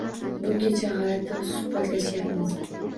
Bu kecha g'alati suhbatlashayapsiz.